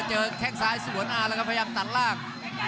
แข้งซ้ายสวนมาแล้วก็พยายามตัดล่าง